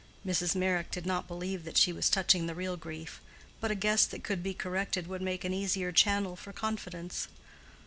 Mrs. Meyrick did not believe that she was touching the real grief; but a guess that could be corrected would make an easier channel for confidence.